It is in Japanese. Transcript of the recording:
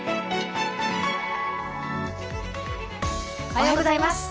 おはようございます。